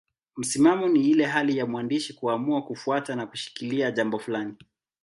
Msimamo ni ile hali ya mwandishi kuamua kufuata na kushikilia jambo fulani.